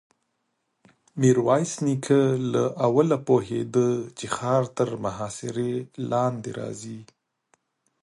ميرويس نيکه له اوله پوهېده چې ښار تر محاصرې لاندې راځي.